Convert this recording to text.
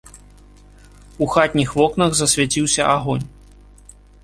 У хатніх вокнах засвяціўся агонь.